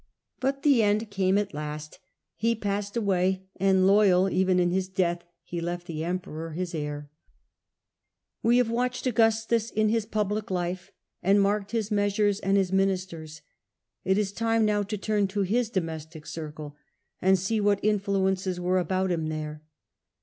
But the end came at last. He passed away, and, loyal even in his death, he left the Emperor his heir. We have watched Augustus in his public life, and marked his measures and his ministers ; it is time now to turn to his domestic circle and see what influences were about him there.